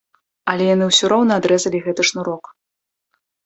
Але яны ўсё роўна адрэзалі гэты шнурок.